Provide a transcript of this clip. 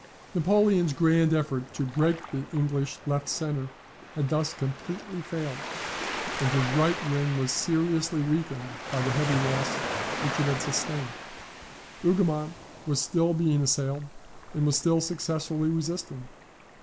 Napoleon's grand effort to break the English left centre had thus completely failed; and his right wing was seriously weakened by the heavy loss which it had sustained. Hougoumont was still being assailed, and was still successfully resisting.